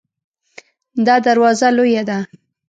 دا دروازه لویه ده